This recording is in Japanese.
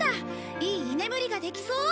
いい居眠りができそう！